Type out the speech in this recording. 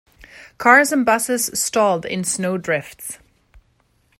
Cars and busses stalled in snow drifts.